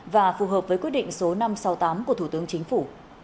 và phù hợp với quyết định số năm sáu tám của thủ tướng chính phủ